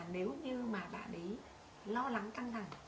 nếu như mà bạn ấy lo lắng căng thẳng